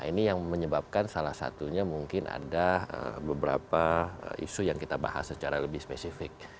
ini yang menyebabkan salah satunya mungkin ada beberapa isu yang kita bahas secara lebih spesifik